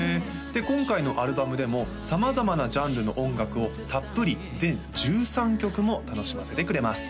今回のアルバムでも様々なジャンルの音楽をたっぷり全１３曲も楽しませてくれます